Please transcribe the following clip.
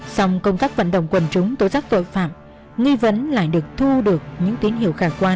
song công tác vận động quần chúng tố giác tội phạm nghi vấn lại được thu được những tín hiệu khả quan